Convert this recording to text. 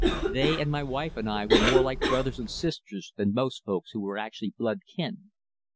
They and my wife and I were more like brothers and sisters than most folks who are actually blood kin.